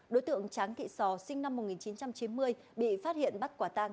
đối tượng tráng thị sò sinh năm một nghìn chín trăm chín mươi bị phát hiện bắt quả tang